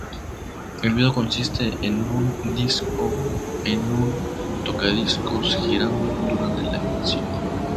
El video consiste en un disco en un Tocadiscos girando durante la canción.